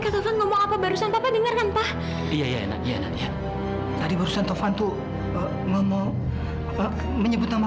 sampai jumpa di video selanjutnya